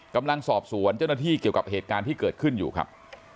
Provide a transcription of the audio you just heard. กำลังสอบสวนเจ้าหน้าที่เกี่ยวกับเหตุการณ์ที่เกิดขึ้นอยู่ครับ